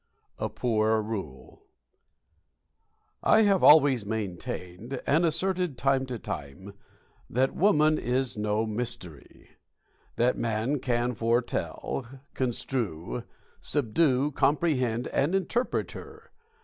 A POOR RULE I have always maintained, and asserted time to time, that woman is no mystery; that man can foretell, construe, subdue, comprehend, and interpret her.